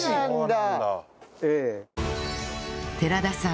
寺田さん